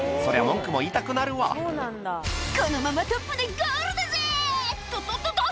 文句も言いたくなるわ「このままトップでゴールだぜ！とととと！」